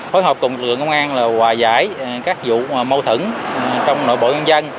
phối hợp cùng lực lượng công an là hòa giải các vụ mâu thửng trong nội bộ nhân dân